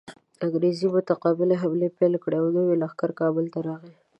انګریزانو متقابلې حملې پیل کړې او نورې لښکرې کابل ته راغلې.